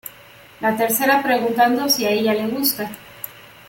La tercera preguntando si a ella le gusta.